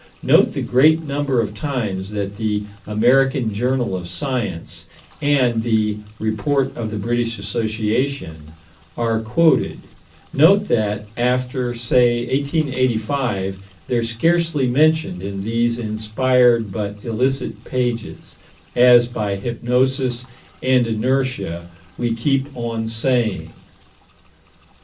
Note the great number of times that the American Journal of Science and the Report of the British Association are quoted: note that, after, say, 1885, they're scarcely mentioned in these inspired but illicit pages as by hypnosis and inertia, we keep on saying.